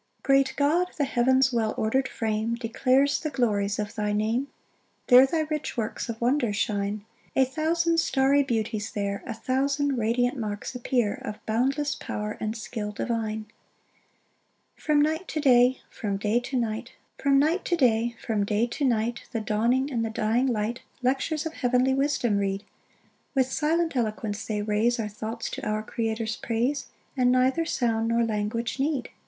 1 Great God, the heaven's well order'd frame Declares the glories of thy name; There thy rich works of wonder shine: A thousand starry beauties there, A thousand radiant marks appear Of boundless power and skill divine. 2 From night to day, from day to night, The dawning and the dying light Lectures of heavenly wisdom read; With silent eloquence they raise Our thoughts to our Creator's praise, And neither sound nor language need.